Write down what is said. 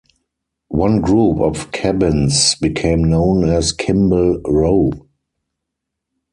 One group of cabins became known as Kimball Row.